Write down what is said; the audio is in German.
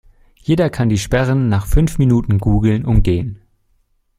Jeder kann die Sperren nach fünf Minuten Googlen umgehen.